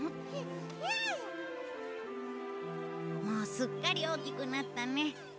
もうすっかり大きくなったね。